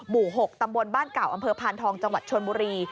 บู่๖ตำบลบ้านเก่าอพันธองจชนมุรี